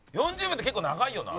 ４０秒って結構長いよな。